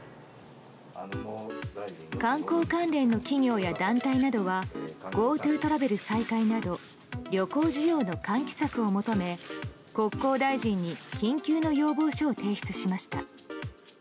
観光関連の企業や団体などはＧｏＴｏトラベル再開など旅行需要の喚起策を求め国交大臣に緊急の要望書を提出しました。